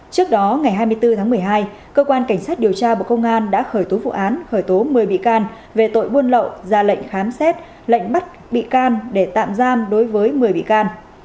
trước đó ngày hai mươi bốn tháng một mươi hai cơ quan cảnh sát điều tra bộ công an đã khởi tố vụ án khởi tố một mươi bị can về tội buôn lậu ra lệnh khám xét lệnh bắt bị can để tạm giam đối với một mươi bị can